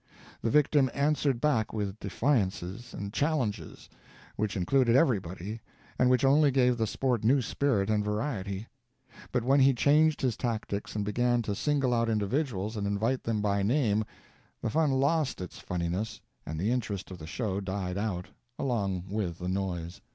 The victim answered back with defiances and challenges which included everybody, and which only gave the sport new spirit and variety; but when he changed his tactics and began to single out individuals and invite them by name, the fun lost its funniness and the interest of the show died out, along with the noise.